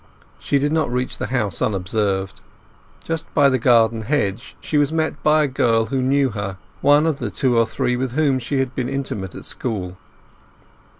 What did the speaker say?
She did not reach the house unobserved. Just by the garden hedge she was met by a girl who knew her—one of the two or three with whom she had been intimate at school.